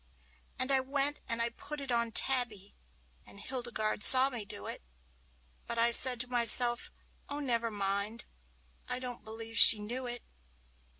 And I went and put it on Tabby, and Hildegarde saw me do it; But I said to myself, "Oh, never mind, I don't believe she knew it!"